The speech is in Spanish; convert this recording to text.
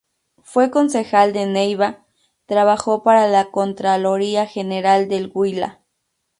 Fue Concejal de Neiva, trabajó para la Contraloría General del Huila.